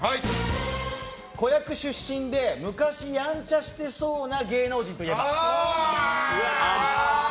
子役出身で昔ヤンチャしてそうな芸能人といえば？